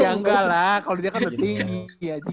ya gak lah kalo dia kan bertinggi aja